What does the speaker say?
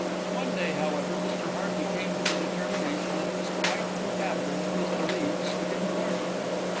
One day, however, Mr. Hearty came to the determination that it was quite compatible with his beliefs to give a party.